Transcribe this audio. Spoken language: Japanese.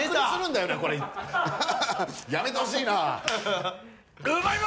やめてほしいなぁ。